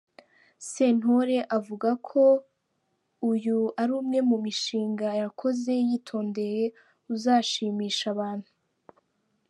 Sentore avuga ko uyu ari umwe mu mishinga yakoze yitondeye uzashimisha abantu.